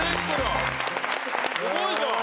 すごいじゃん。